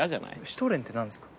シュトーレンって何ですか？